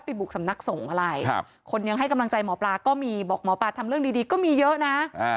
บุกสำนักสงฆ์อะไรคนยังให้กำลังใจหมอปลาก็มีบอกหมอปลาทำเรื่องดีก็มีเยอะนะ